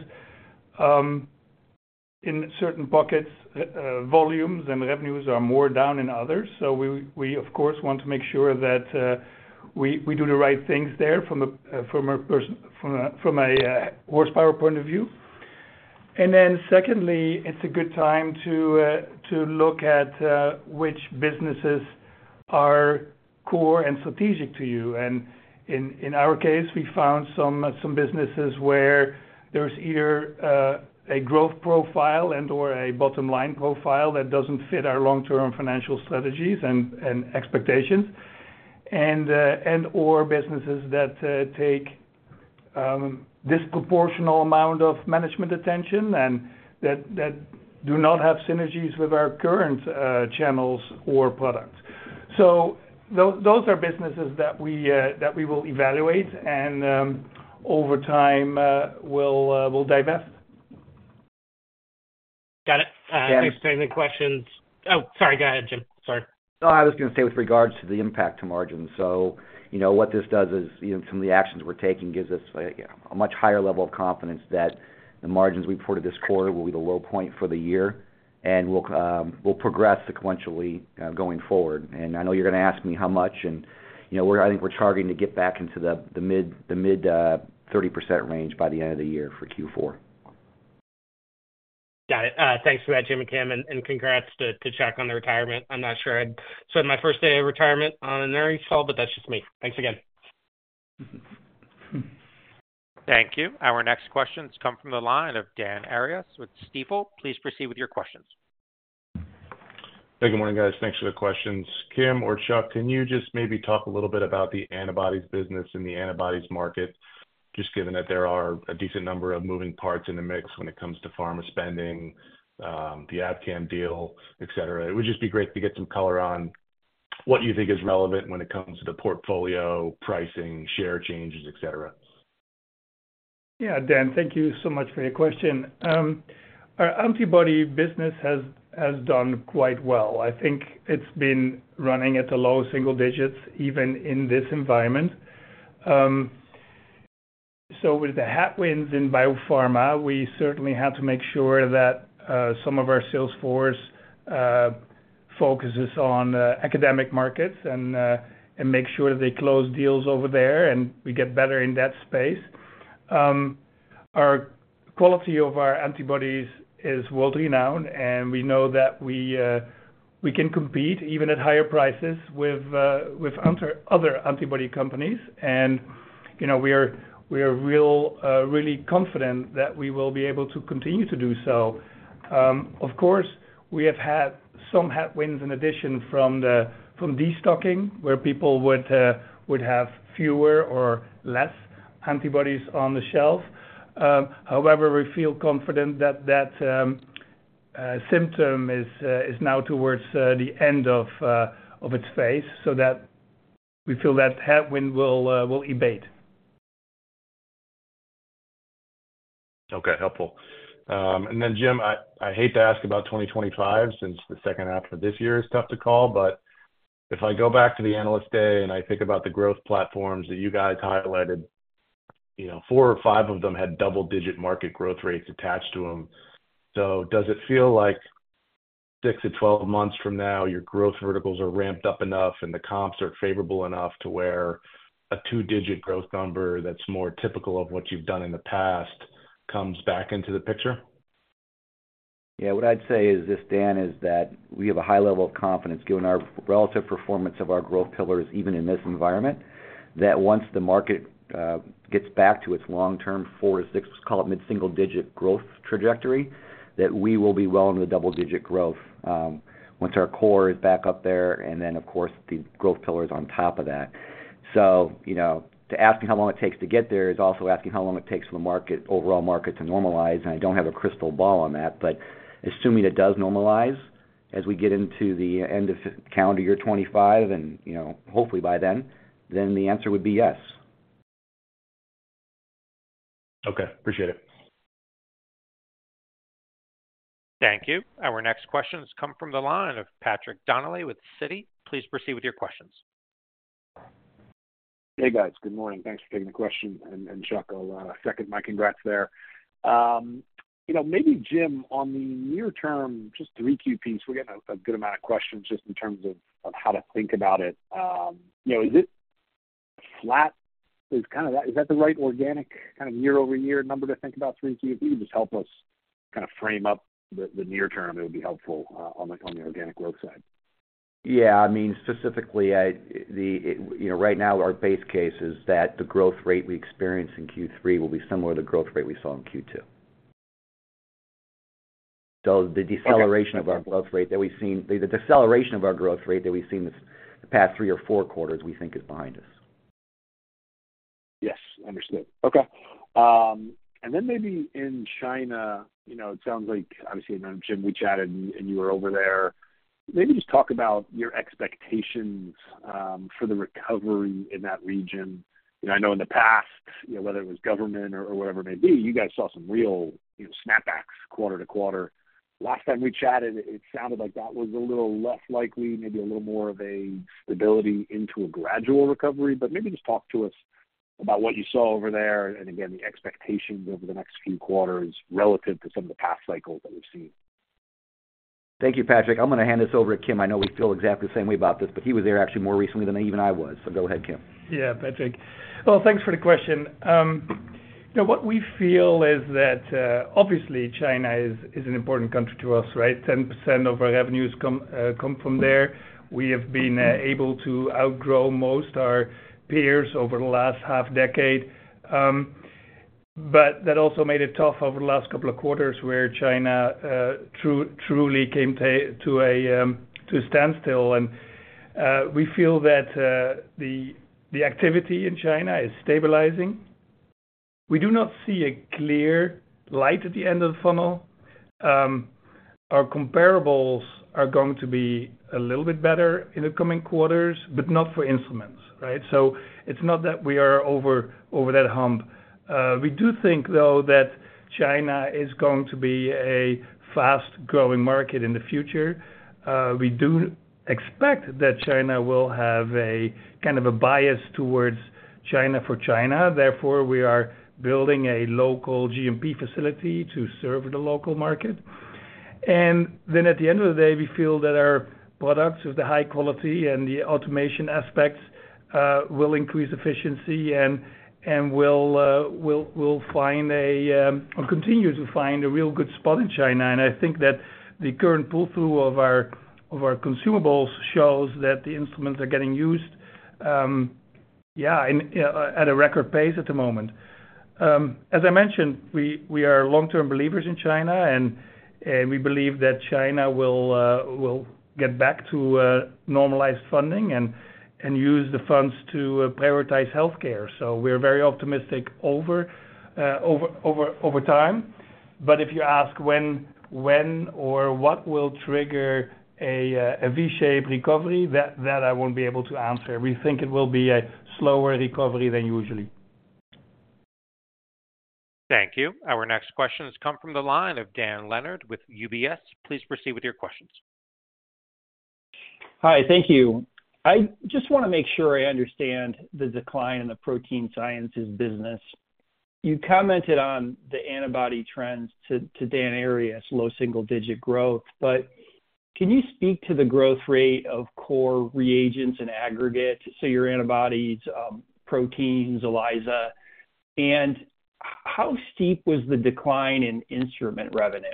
In certain pockets, volumes and revenues are more down than others. So we, of course, want to make sure that we do the right things there from a horsepower point of view. And then secondly, it's a good time to look at which businesses are core and strategic to you. And in our case, we found some businesses where there's either a growth profile and/or a bottom-line profile that doesn't fit our long-term financial strategies and expectations, and/or businesses that take a disproportionate amount of management attention and that do not have synergies with our current channels or products. So those are businesses that we will evaluate, and over time, we'll divest. Got it. Yeah. Thanks. Any questions? Oh, sorry. Go ahead, Jim. Sorry. No, I was going to say with regards to the impact to margins. So you know, what this does is, you know, some of the actions we're taking gives us, like, a much higher level of confidence that the margins we reported this quarter will be the low point for the year, and will progress sequentially going forward. And I know you're going to ask me how much, and, you know, we're—I think we're targeting to get back into the mid-30% range by the end of the year for Q4. Got it. Thanks for that, Jim and Kim, and congrats to Chuck on the retirement. I'm not sure I'd spend my first day of retirement on an earnings call, but that's just me. Thanks again. Thank you. Our next questions come from the line of Dan Arias with Stifel. Please proceed with your questions. Hey, good morning, guys. Thanks for the questions. Kim or Chuck, can you just maybe talk a little bit about the antibodies business and the antibodies market, just given that there are a decent number of moving parts in the mix when it comes to pharma spending, the Abcam deal, et cetera? It would just be great to get some color on what you think is relevant when it comes to the portfolio, pricing, share changes, et cetera. Yeah, Dan, thank you so much for your question. Our antibody business has done quite well. I think it's been running at the low single digits, even in this environment. So with the headwinds in BioPharma, we certainly have to make sure that some of our sales force focuses on academic markets and make sure they close deals over there, and we get better in that space. Our quality of our antibodies is world-renowned, and we know that we can compete even at higher prices with other antibody companies. You know, we are really confident that we will be able to continue to do so. Of course, we have had some headwinds in addition from destocking, where people would have fewer or less antibodies on the shelf. However, we feel confident that symptom is now towards the end of its phase, so that we feel that headwind will abate. Okay, helpful. And then, Jim, I hate to ask about 2025, since the second half of this year is tough to call. But if I go back to the Analyst Day, and I think about the growth platforms that you guys highlighted, you know, four or five of them had double-digit market growth rates attached to them. So does it feel like six to 12 months from now, your growth verticals are ramped up enough, and the comps are favorable enough to where a two-digit growth number that's more typical of what you've done in the past comes back into the picture? Yeah. What I'd say is this, Dan, is that we have a high level of confidence, given our relative performance of our growth pillars, even in this environment, that once the market gets back to its long-term 4-6, let's call it mid-single-digit growth trajectory, that we will be well into the double-digit growth, once our core is back up there and then, of course, the growth pillar is on top of that. So, you know, to ask how long it takes to get there is also asking how long it takes for the market, overall market to normalize, and I don't have a crystal ball on that. But assuming it does normalize, as we get into the end of calendar year 2025, and, you know, hopefully by then, then the answer would be yes. Okay, appreciate it. Thank you. Our next question has come from the line of Patrick Donnelly with Citi. Please proceed with your questions. Hey, guys. Good morning. Thanks for taking the question, and Chuck, I'll second my congrats there. You know, maybe, Jim, on the near term, just 3Q, we're getting a good amount of questions just in terms of how to think about it. You know, is it flat? Is kind of that—is that the right organic, kind of, year-over-year number to think about Q3? Just help us kind of frame up the near term, it would be helpful on the organic growth side. Yeah, I mean, specifically, you know, right now, our base case is that the growth rate we experience in Q3 will be similar to the growth rate we saw in Q2. So the deceleration of our growth rate that we've seen, the deceleration of our growth rate that we've seen in the past three or four quarters, we think is behind us. Yes, understood. Okay. And then maybe in China, you know, it sounds like, obviously, you know, Jim, we chatted, and, and you were over there. Maybe just talk about your expectations, for the recovery in that region. You know, I know in the past, you know, whether it was government or, or whatever it may be, you guys saw some real, you know, snapbacks quarter to quarter. Last time we chatted, it sounded like that was a little less likely, maybe a little more of a stability into a gradual recovery. But maybe just talk to us about what you saw over there, and again, the expectations over the next few quarters, relative to some of the past cycles that we've seen. Thank you, Patrick. I'm gonna hand this over to Kim. I know we feel exactly the same way about this, but he was there actually more recently than even I was. So go ahead, Kim. Yeah, Patrick. Well, thanks for the question. You know, what we feel is that, obviously, China is an important country to us, right? 10% of our revenues come from there. We have been able to outgrow most our peers over the last half decade. But that also made it tough over the last couple of quarters, where China truly came to a standstill. We feel that the activity in China is stabilizing. We do not see a clear light at the end of the tunnel. Our comparables are going to be a little bit better in the coming quarters, but not for instruments, right? So it's not that we are over that hump. We do think, though, that China is going to be a fast-growing market in the future. We do expect that China will have a kind of a bias towards China for China. Therefore, we are building a local GMP facility to serve the local market. Then at the end of the day, we feel that our products, with the high quality and the automation aspects, will increase efficiency and will find a, or continue to find a real good spot in China. I think that the current pull-through of our consumables shows that the instruments are getting used in at a record pace at the moment. As I mentioned, we are long-term believers in China, and we believe that China will get back to normalized funding and use the funds to prioritize healthcare. So we're very optimistic over time. But if you ask when or what will trigger a V-shaped recovery, that I won't be able to answer. We think it will be a slower recovery than usually. Thank you. Our next question has come from the line of Dan Leonard with UBS. Please proceed with your questions. Hi, thank you. I just wanna make sure I understand the decline in the Protein Sciences business. You commented on the antibody trends to, to Dan Arias's low single-digit growth, but can you speak to the growth rate of core reagents and aggregate, so your antibodies, proteins, ELISA, and how steep was the decline in instrument revenue?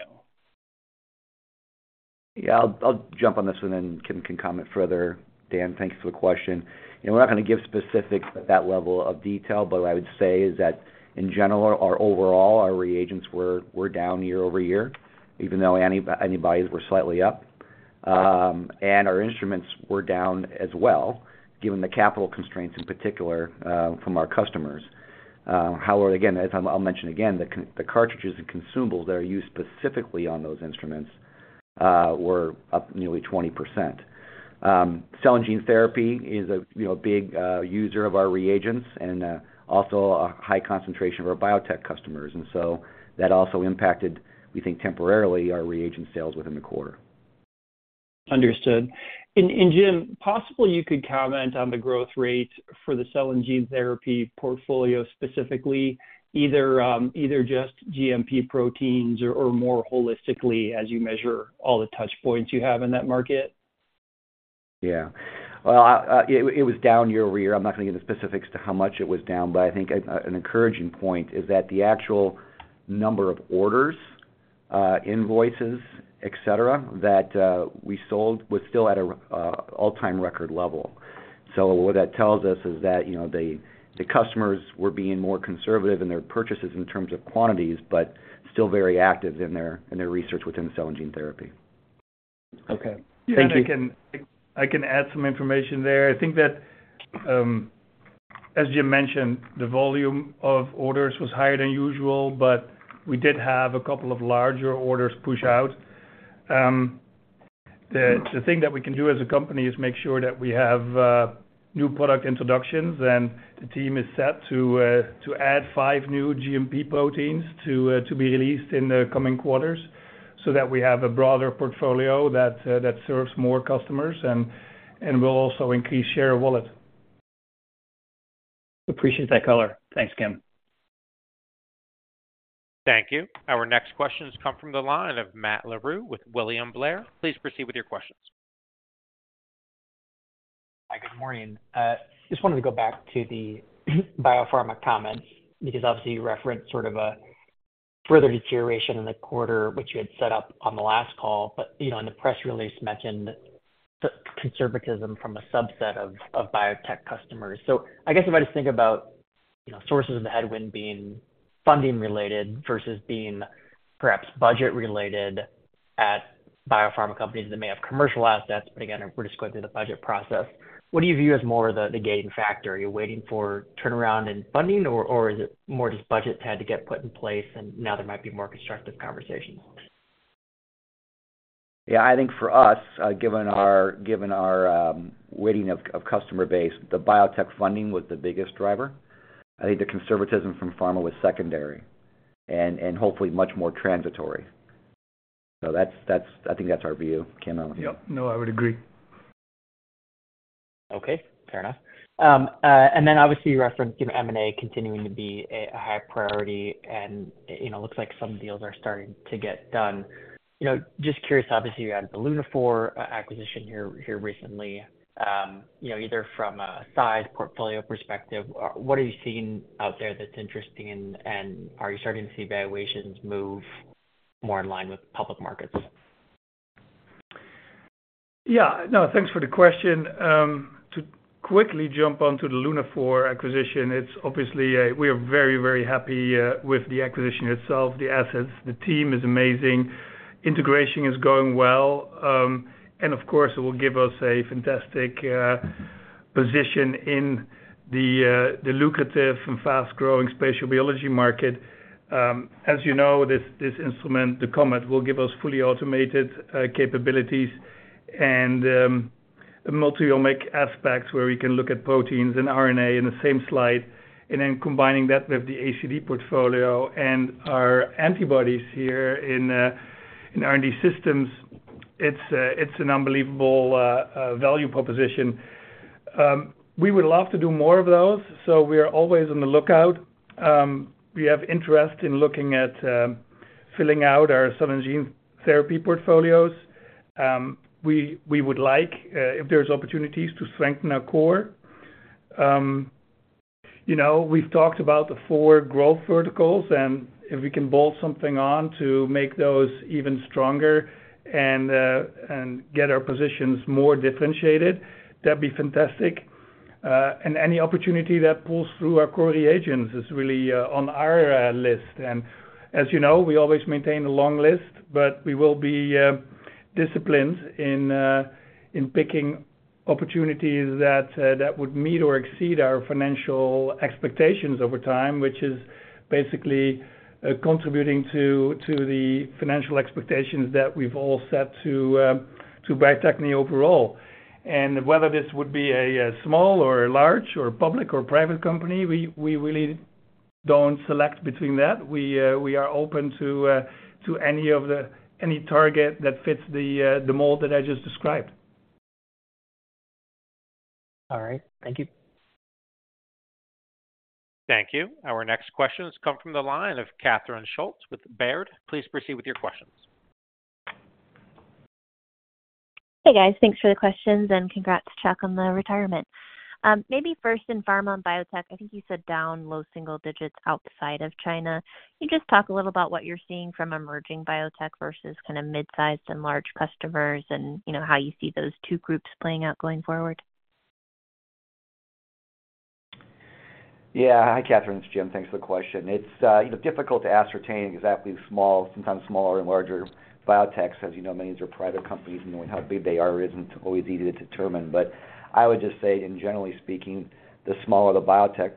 Yeah, I'll jump on this and then Kim can comment further. Dan, thanks for the question. We're not gonna give specifics at that level of detail, but what I would say is that in general or overall, our reagents were down year-over-year, even though antibodies were slightly up. And our instruments were down as well, given the capital constraints, in particular, from our customers. However, again, as I'll mention again, the cartridges and consumables that are used specifically on those instruments were up nearly 20%. Cell and gene therapy is a, you know, big user of our reagents and also a high concentration of our biotech customers. And so that also impacted, we think, temporarily, our reagent sales within the quarter. Understood. And Jim, possibly you could comment on the growth rate for the cell and gene therapy portfolio, specifically, either just GMP proteins or more holistically as you measure all the touch points you have in that market. Yeah. Well, it was down year-over-year. I'm not gonna get into specifics to how much it was down, but I think an encouraging point is that the actual number of orders, invoices, et cetera, that we sold was still at a all-time record level. So what that tells us is that, you know, the customers were being more conservative in their purchases in terms of quantities, but still very active in their research within the cell and gene therapy. Okay, thank you. Yeah, I can, I can add some information there. I think that, as Jim mentioned, the volume of orders was higher than usual, but we did have a couple of larger orders push out. The thing that we can do as a company is make sure that we have new product introductions, and the team is set to add five new GMP proteins to be released in the coming quarters, so that we have a broader portfolio that serves more customers and will also increase share of wallet. Appreciate that color. Thanks, Kim. Thank you. Our next question has come from the line of Matt Larew with William Blair. Please proceed with your questions. Hi, good morning. Just wanted to go back to the BioPharma comments, because obviously you referenced sort of a further deterioration in the quarter, which you had set up on the last call. But, you know, and the press release mentioned the conservatism from a subset of biotech customers. So I guess if I just think about, you know, sources of the headwind being funding related versus being perhaps budget related at BioPharma companies that may have commercial assets, but again, we're just going through the budget process. What do you view as more of the gating factor? Are you waiting for turnaround in funding, or is it more just budgets had to get put in place and now there might be more constructive conversations? Yeah, I think for us, given our weighting of customer base, the biotech funding was the biggest driver. I think the conservatism from pharma was secondary and hopefully much more transitory. So that's our view. Kim, I don't know. Yep. No, I would agree. Okay, fair enough. And then obviously, you referenced, you know, M&A continuing to be a, a high priority, and, you know, looks like some deals are starting to get done. You know, just curious, obviously, you had the Lunaphore acquisition here, here recently. You know, either from a size, portfolio perspective, what are you seeing out there that's interesting, and, and are you starting to see valuations move more in line with public markets? Yeah. No, thanks for the question. To quickly jump onto the Lunaphore acquisition, it's obviously we are very, very happy with the acquisition itself, the assets. The team is amazing. Integration is going well. And of course, it will give us a fantastic position in the lucrative and fast-growing spatial biology market. As you know, this instrument, the COMET, will give us fully automated capabilities and multiomic aspects, where we can look at proteins and RNA in the same slide, and then combining that with the ACD portfolio and our antibodies here in R&D Systems, it's an unbelievable value proposition. We would love to do more of those, so we are always on the lookout. We have interest in looking at filling out our cell and gene therapy portfolios. We would like, if there's opportunities, to strengthen our core. You know, we've talked about the four growth verticals, and if we can bolt something on to make those even stronger and, and get our positions more differentiated, that'd be fantastic. And any opportunity that pulls through our core reagents is really on our list. And as you know, we always maintain a long list, but we will be disciplined in picking opportunities that would meet or exceed our financial expectations over time, which is basically contributing to the financial expectations that we've all set to Bio-Techne overall. And whether this would be a small or a large or public or private company, we really don't select between that. We are open to any target that fits the mold that I just described. All right. Thank you. Thank you. Our next question has come from the line of Catherine Schulte with Baird. Please proceed with your questions. Hey, guys. Thanks for the questions, and congrats to Chuck on the retirement. Maybe first in pharma and biotech, I think you said down low single digits outside of China. Can you just talk a little about what you're seeing from emerging biotech versus kind of mid-sized and large customers and, you know, how you see those two groups playing out going forward? Yeah. Hi, Catherine. It's Jim. Thanks for the question. It's, you know, difficult to ascertain exactly the small, sometimes smaller and larger biotechs. As you know, many of them are private companies, and knowing how big they are isn't always easy to determine. But I would just say, in general speaking, the smaller the biotech,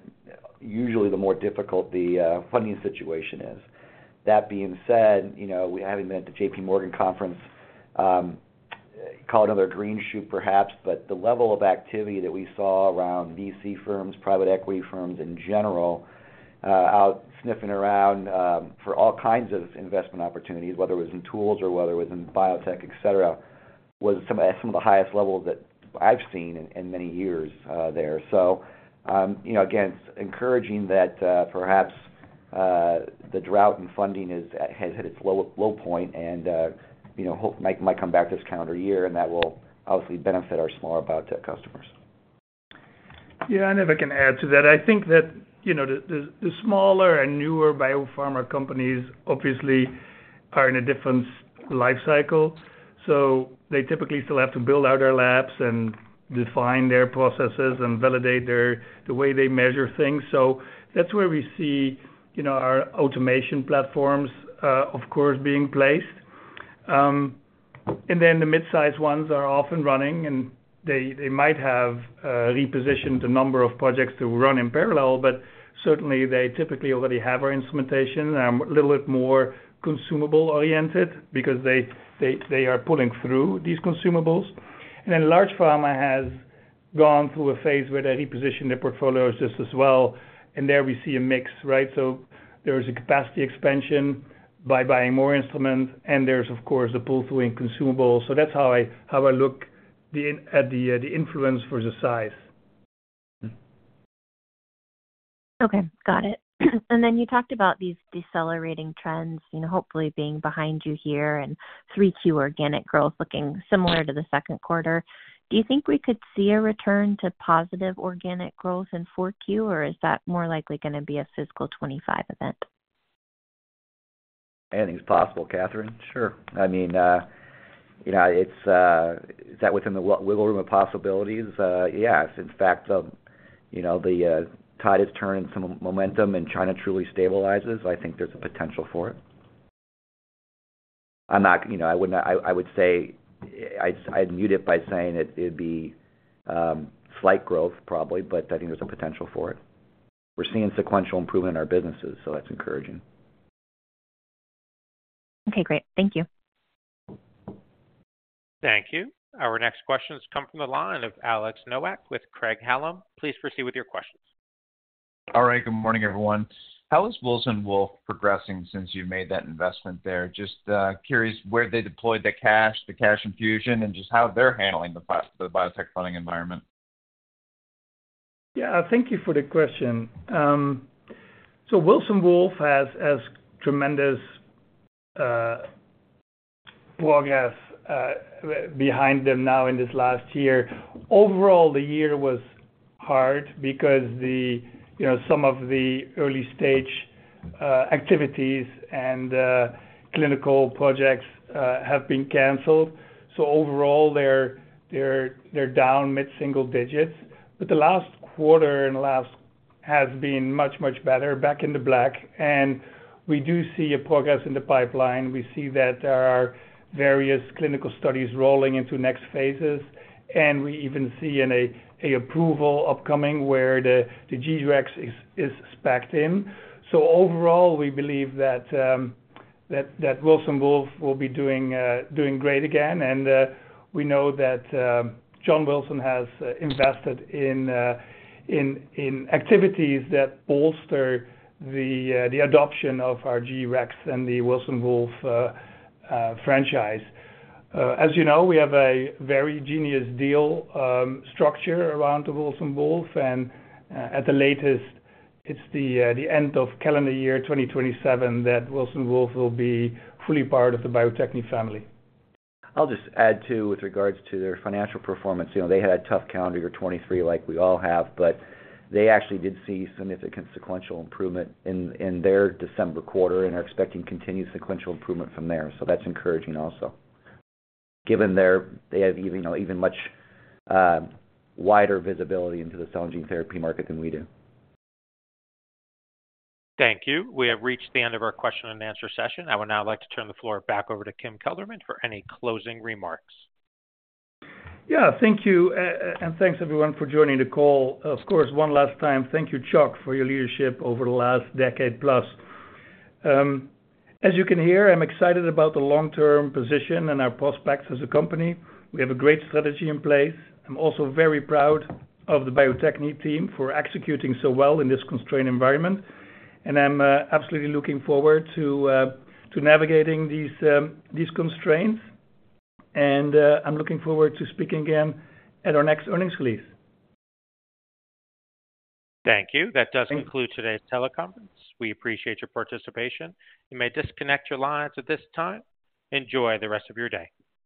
usually the more difficult the funding situation is. That being said, you know, we, having been at the JPMorgan conference, call it another green shoot perhaps, but the level of activity that we saw around VC firms, private equity firms in general, out sniffing around, for all kinds of investment opportunities, whether it was in tools or whether it was in biotech, et cetera, was some of the highest levels that I've seen in many years, there. So, you know, again, it's encouraging that perhaps the drought in funding has hit its low point and, you know, hope might come back this calendar year, and that will obviously benefit our smaller biotech customers. Yeah, and if I can add to that. I think that, you know, the smaller and newer BioPharma companies obviously are in a different life cycle, so they typically still have to build out their labs and define their processes and validate their, the way they measure things. So that's where we see, you know, our automation platforms, of course, being placed. And then the mid-sized ones are off and running, and they might have repositioned a number of projects to run in parallel, but certainly they typically already have our instrumentation, little bit more consumable oriented because they are pulling through these consumables. And then large pharma has gone through a phase where they repositioned their portfolios just as well, and there we see a mix, right? So there is a capacity expansion by buying more instruments, and there's, of course, a pull-through in consumables. So that's how I look at the influence for the size. Okay, got it. And then you talked about these decelerating trends, you know, hopefully being behind you here, and 3Q organic growth looking similar to the second quarter. Do you think we could see a return to positive organic growth in 4Q, or is that more likely gonna be a fiscal 2025 event? Anything's possible, Catherine. Sure. I mean, you know, is that within the wiggle room of possibilities? Yes. In fact, you know, the tide has turned some momentum, and China truly stabilizes. I think there's a potential for it. I'm not, you know, I would not. I would say, I'd mute it by saying it'd be slight growth, probably, but I think there's a potential for it. We're seeing sequential improvement in our businesses, so that's encouraging. Okay, great. Thank you. Thank you. Our next question has come from the line of Alex Nowak with Craig-Hallum. Please proceed with your questions. All right. Good morning, everyone. How is Wilson Wolf progressing since you made that investment there? Just curious where they deployed the cash, the cash infusion, and just how they're handling the biotech funding environment. Yeah, thank you for the question. So Wilson Wolf has tremendous progress behind them now in this last year. Overall, the year was hard because, you know, some of the early stage activities and clinical projects have been canceled. So overall, they're down mid-single digits. But the last quarter and the last has been much better, back in the black, and we do see progress in the pipeline. We see that there are various clinical studies rolling into next phases, and we even see an approval upcoming where the G-Rex is spec'd in. So overall, we believe that Wilson Wolf will be doing great again. We know that John Wilson has invested in activities that bolster the adoption of our G-Rex and the Wilson Wolf franchise. As you know, we have a very genius deal structure around the Wilson Wolf, and at the latest, it's the end of calendar year 2027 that Wilson Wolf will be fully part of the Bio-Techne family. I'll just add, too, with regards to their financial performance. You know, they had a tough calendar year 2023, like we all have, but they actually did see significant sequential improvement in their December quarter and are expecting continued sequential improvement from there. So that's encouraging also. Given their, they have even, you know, even much wider visibility into the cell and gene therapy market than we do. Thank you. We have reached the end of our question-and-answer session. I would now like to turn the floor back over to Kim Kelderman for any closing remarks. Yeah, thank you. And thanks everyone for joining the call. Of course, one last time, thank you, Chuck, for your leadership over the last decade plus. As you can hear, I'm excited about the long-term position and our prospects as a company. We have a great strategy in place. I'm also very proud of the Bio-Techne team for executing so well in this constrained environment. And I'm absolutely looking forward to navigating these constraints. And I'm looking forward to speaking again at our next earnings release. Thank you. That does conclude today's teleconference. We appreciate your participation. You may disconnect your lines at this time. Enjoy the rest of your day.